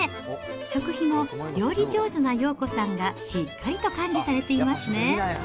食費も料理上手な洋子さんがしっかりと管理されていますね。